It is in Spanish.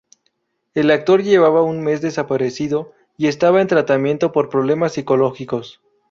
El actor llevaba un mes desaparecido y estaba en tratamiento por problemas psicológicos.